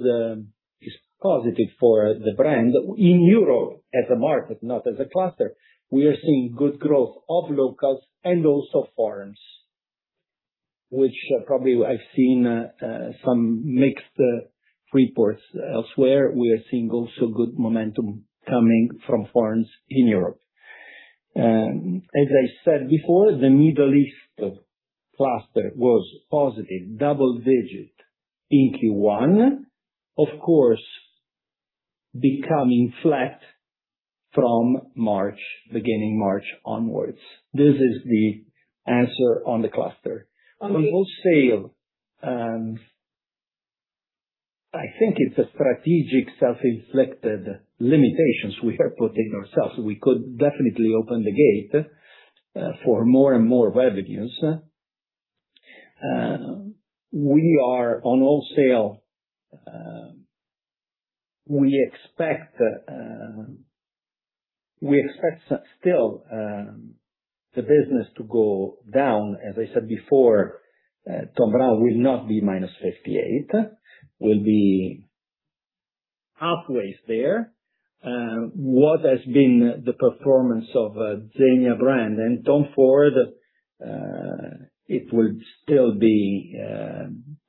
[SPEAKER 3] positive for the brand in Europe as a market, not as a cluster. We are seeing good growth of locals and also foreigners, which probably I've seen some mixed reports elsewhere. We are seeing also good momentum coming from foreigners in Europe. As I said before, the Middle East cluster was positive, double-digit in Q1. Of course, becoming flat from March, beginning March onwards. This is the answer on the cluster. On wholesale, I think it's a strategic self-inflicted limitations we are putting ourselves. We could definitely open the gate for more and more revenues. We are on wholesale, we expect still the business to go down. As I said before, Thom Browne will not be -58%, will be halfways there. What has been the performance of Zegna brand and TOM FORD, it will still be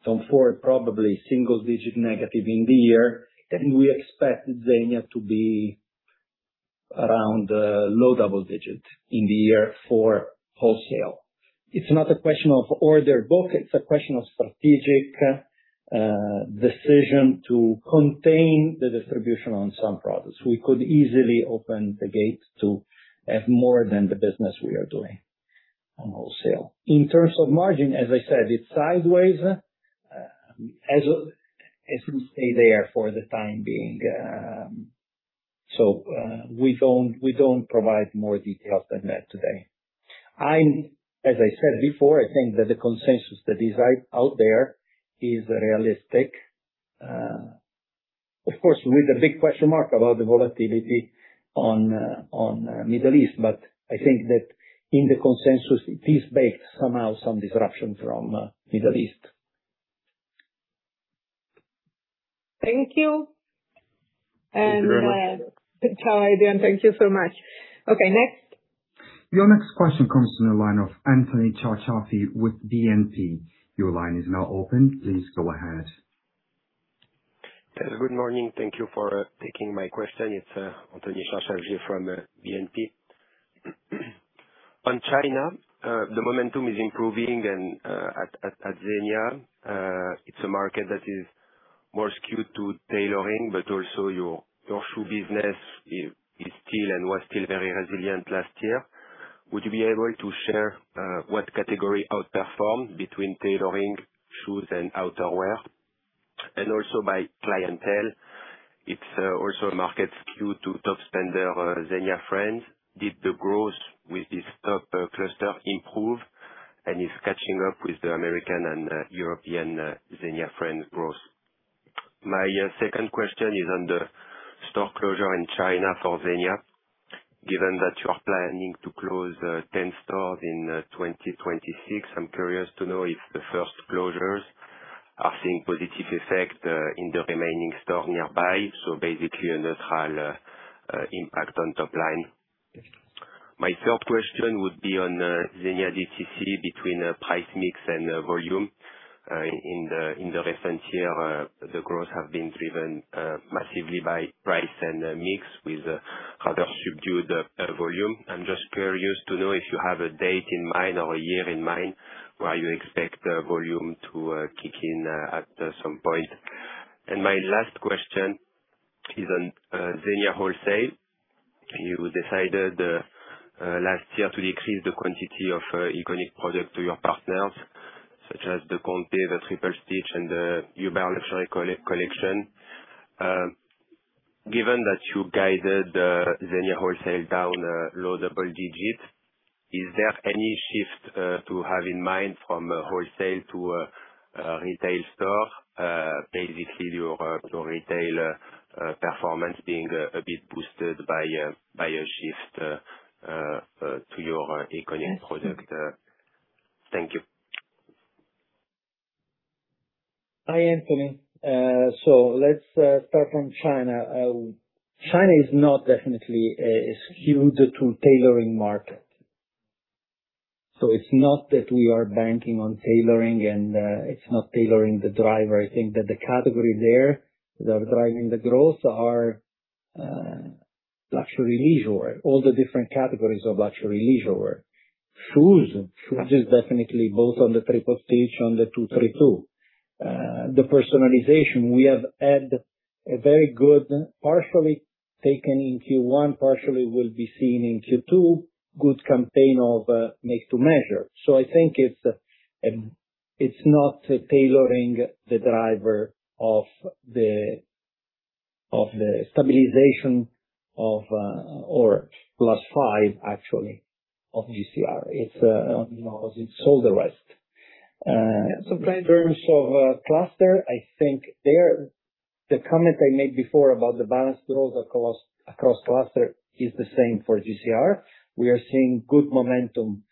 [SPEAKER 3] TOM FORD probably single-digit negative in the year, and we expect Zegna to be around low double-digit in the year for wholesale. It's not a question of order book, it's a question of strategic decision to contain the distribution on some products. We could easily open the gate to have more than the business we are doing on wholesale. In terms of margin, as I said, it's sideways, as we stay there for the time being. We don't provide more details than that today. As I said before, I think that the consensus that is out there is realistic. Of course, with a big question mark about the volatility on Middle East. I think that in the consensus it is based somehow some disruption from Middle East.
[SPEAKER 2] Thank you.
[SPEAKER 10] Thank you very much.
[SPEAKER 2] Ciao again, thank you so much. Okay, next.
[SPEAKER 1] Your next question comes from the line of Anthony Charchafji with BNP. Your line is now open. Please go ahead.
[SPEAKER 11] Good morning. Thank you for taking my question. It's Anthony Charchafji from BNP. On China, the momentum is improving and at Zegna, it's a market that is more skewed to tailoring, but also your shoe business is still and was still very resilient last year. Would you be able to share what category outperformed between tailoring, shoes, and outerwear? Also by clientele, it's also a market skewed to top spender, Zegna Friends. Did the growth with this top cluster improve and is catching up with the American and European Zegna Friend growth? My second question is on the store closure in China for Zegna. Given that you are planning to close 10 stores in 2026, I'm curious to know if the first closures are seeing positive effect in the remaining stores nearby, so basically a neutral impact on top line. My third question would be on Zegna DTC between price mix and volume. In the recent year, the growth have been driven massively by price and mix with rather subdued volume. I'm just curious to know if you have a date in mind or a year in mind where you expect the volume to kick in at some point. My last question is on Zegna wholesale. You decided last year to increase the quantity of iconic product to your partners, such as the Conte, the Triple Stitch, and the Oasi Lino luxury collection. Given that you guided Zegna wholesale down low double digits, is there any shift to have in mind from the wholesale to retail store, basically your retail performance being a bit boosted by a shift to your iconic product? Thank you.
[SPEAKER 3] Hi, Anthony. Let's start from China. China is not definitely a skewed to tailoring market. It's not that we are banking on tailoring and it's not tailoring the driver. I think that the category there that are driving the growth are luxury leisure, all the different categories of luxury leisure. Shoes is definitely both on the Triple Stitch 232. The personalization, we have had a very good, partially taken in Q1, partially will be seen in Q2, good campaign of make to measure. I think it's not tailoring the driver of the stabilization of or +5% actually of GCR. It's, you know, it's all the rest. In terms of cluster, the comment I made before about the balanced growth across cluster is the same for GCR. We are seeing good momentum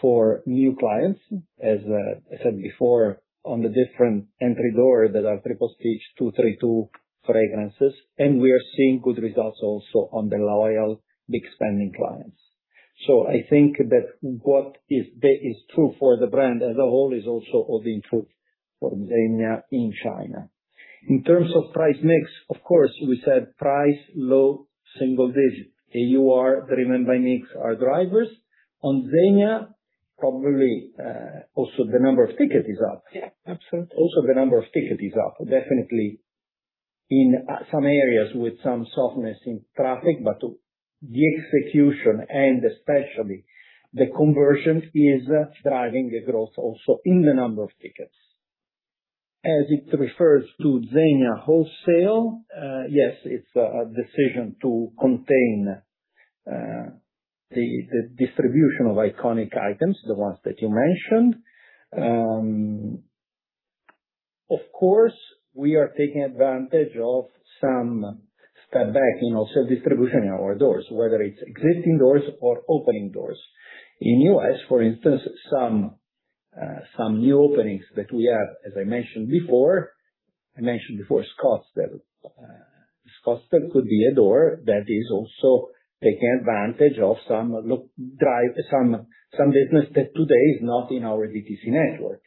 [SPEAKER 3] for new clients, as I said before, on the different entry door that are Triple Stitch 232 fragrances. We are seeing good results also on the loyal, big spending clients. I think that what is true for the brand as a whole is also holding true for Zegna in China. In terms of price mix, of course, we said price low single digit. AUR driven by mix are drivers. On Zegna, probably, also the number of ticket is up.
[SPEAKER 2] Yeah, absolutely.
[SPEAKER 3] Also the number of ticket is up, definitely in some areas with some softness in traffic, but the execution and especially the conversion is driving the growth also in the number of tickets. As it refers to Zegna wholesale, yes, it's a decision to contain the distribution of iconic items, the ones that you mentioned. Of course, we are taking advantage of some step back in also distribution in our DOERS, whether it's existing DOERS or opening DOERS. In U.S., for instance, some new openings that we have, as I mentioned before, I mentioned before Scottsdale. Scottsdale could be a door that is also taking advantage of some business that today is not in our DTC network.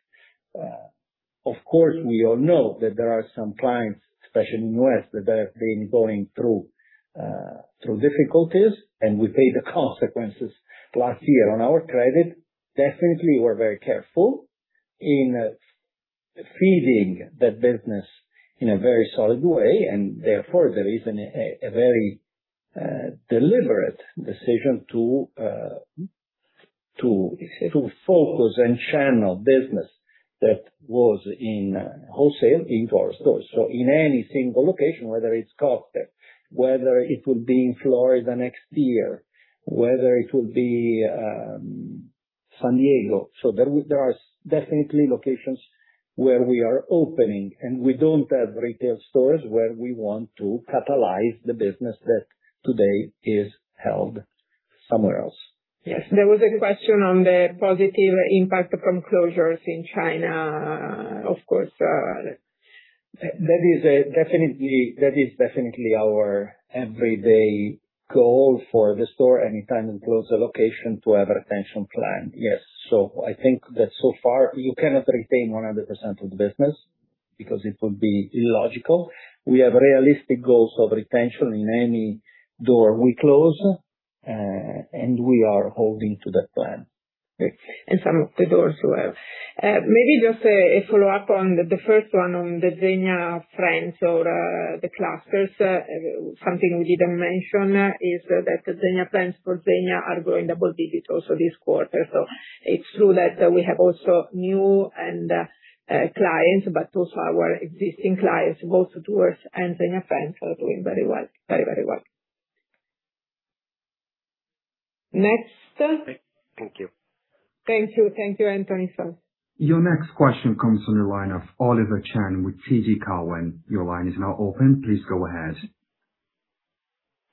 [SPEAKER 3] Of course, we all know that there are some clients, especially in the U.S., that have been going through difficulties, and we pay the consequences last year on our credit. Definitely, we're very careful in feeding that business in a very solid way, and therefore there is a very deliberate decision to focus and channel business that was in wholesale in-door stores. In any single location, whether it's Scottsdale, whether it will be in Florida next year, whether it will be San Diego. There are definitely locations where we are opening, and we don't have retail stores where we want to catalyze the business that today is held somewhere else.
[SPEAKER 2] Yes. There was a question on the positive impact from closures in China, of course.
[SPEAKER 3] That is definitely our everyday goal for the store anytime we close a location to have a retention plan. Yes. I think that so far you cannot retain 100% of the business because it would be illogical. We have realistic goals of retention in any door we close, and we are holding to that plan.
[SPEAKER 2] Some of the DOERS will. Maybe just a follow-up on the first one on the Zegna Friends or the clusters. Something we didn't mention is that the Zegna Friends for Zegna are growing double digits also this quarter. It's true that we have also new and clients, but also our existing clients, both DOERS and Zegna Friends are doing very well. Very well. Next.
[SPEAKER 11] Thank you.
[SPEAKER 2] Thank you. Thank you, Anthony.
[SPEAKER 1] Your next question comes from the line of Oliver Chen with TD Cowen. Your line is now open. Please go ahead.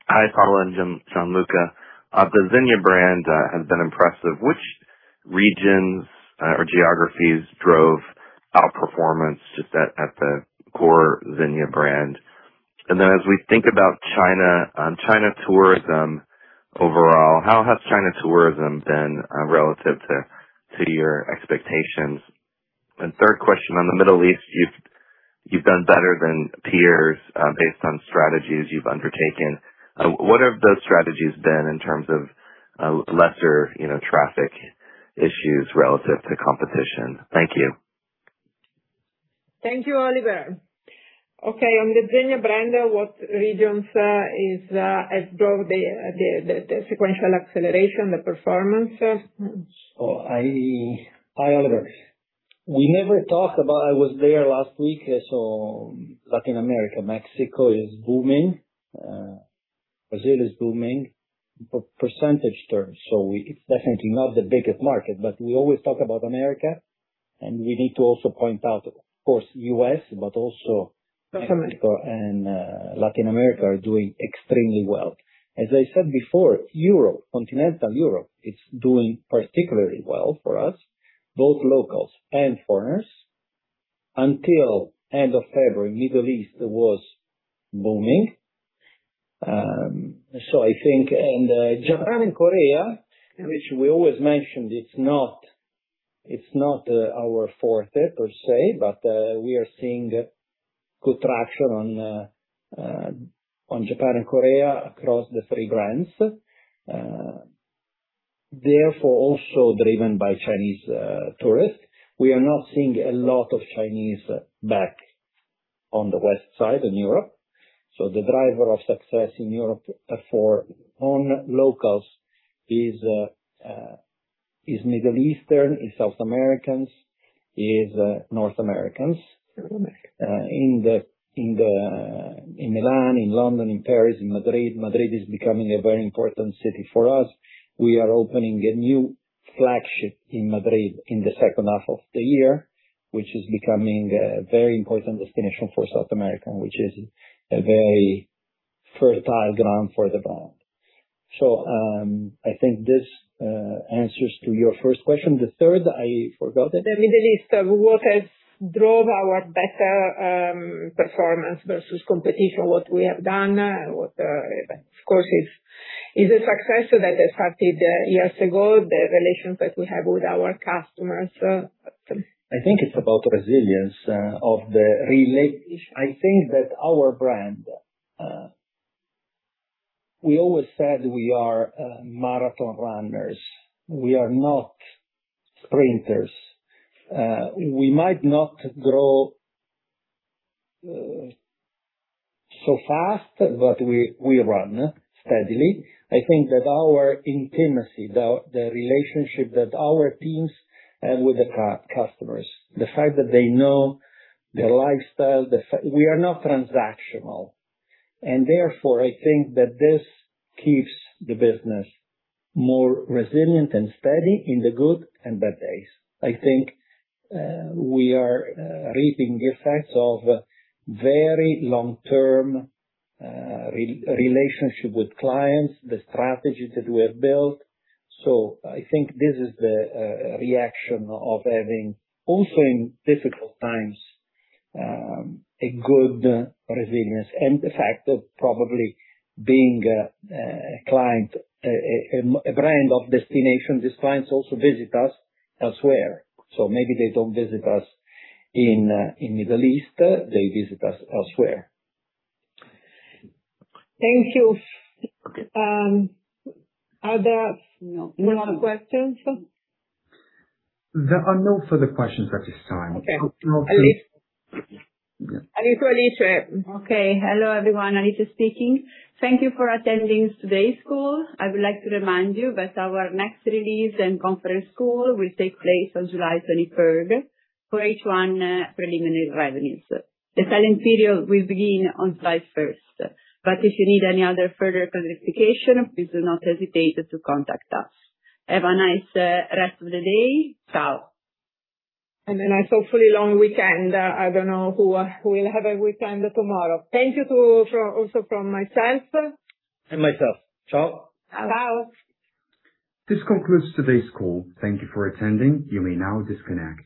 [SPEAKER 12] Hi, Paola and Gianluca. The Zegna brand has been impressive. Which regions or geographies drove outperformance just at the core Zegna brand? Then as we think about China tourism overall, how has China tourism been relative to your expectations? Third question on the Middle East, you've done better than peers based on strategies you've undertaken. What have those strategies been in terms of lesser, you know, traffic issues relative to competition? Thank you.
[SPEAKER 2] Thank you, Oliver. Okay, on the Zegna brand, what regions is has drove the sequential acceleration, the performance?
[SPEAKER 3] Hi, Oliver. We never talk about. I was there last week, so Latin America, Mexico is booming. Brazil is booming, percentage terms. It's definitely not the biggest market, but we always talk about America, and we need to also point out, of course, U.S., but also Mexico and Latin America are doing extremely well. As I said before, Europe, continental Europe, is doing particularly well for us, both locals and foreigners. Until end of February, Middle East was booming. Japan and Korea, which we always mentioned, it's not our forte per se, but we are seeing good traction on Japan and Korea across the three brands. Also driven by Chinese tourists. We are not seeing a lot of Chinese back on the west side in Europe. The driver of success in Europe are for own locals is Middle Eastern, is South Americans, is North Americans. In Milan, in London, in Paris, in Madrid. Madrid is becoming a very important city for us. We are opening a new flagship in Madrid in the second half of the year, which is becoming a very important destination for South America, which is a very fertile ground for the brand. I think this answers to your first question. The third, I forgot it.
[SPEAKER 2] The Middle East, what has drove our better performance versus competition, what we have done, what, of course, is a success that has happened years ago, the relations that we have with our customers?
[SPEAKER 3] I think it's about resilience. I think that our brand, we always said we are marathon runners. We are not sprinters. We might not grow so fast, but we run steadily. I think that our intimacy, the relationship that our teams have with the customers, the fact that they know their lifestyle. We are not transactional, therefore, I think that this keeps the business more resilient and steady in the good and bad days. I think we are reaping the effects of very long-term relationship with clients, the strategies that we have built. I think this is the reaction of having also in difficult times a good resilience and the fact of probably being a client, a brand of destination these clients also visit us elsewhere. Maybe they don't visit us in Middle East, they visit us elsewhere.
[SPEAKER 2] Thank you.
[SPEAKER 12] Okay.
[SPEAKER 2] No more questions?
[SPEAKER 1] There are no further questions at this time.
[SPEAKER 2] Okay.
[SPEAKER 1] You're all good.
[SPEAKER 2] Alicia.
[SPEAKER 13] Okay. Hello, everyone. Alicia speaking. Thank you for attending today's call. I would like to remind you that our next release and conference call will take place on July 23rd for H1 preliminary revenues. The silent period will begin on July 1st. If you need any other further clarification, please do not hesitate to contact us. Have a nice rest of the day. Ciao.
[SPEAKER 2] A nice hopefully long weekend. I don't know who will have a weekend tomorrow. Thank you to also from myself.
[SPEAKER 3] Myself. Ciao.
[SPEAKER 2] Ciao.
[SPEAKER 1] This concludes today's call. Thank you for attending. You may now disconnect.